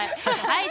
はい。